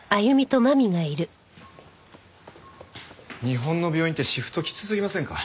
日本の病院ってシフトきつすぎませんか？